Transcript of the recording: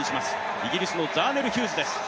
イギリスのザーネル・ヒューズです。